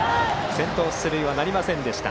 先頭出塁はなりませんでした。